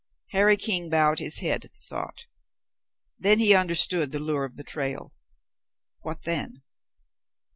Harry King bowed his head at the thought. Then he understood the lure of the trail. What then?